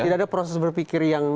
tidak ada proses berpikir yang